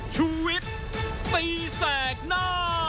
ชุวิตตีแสดหน้า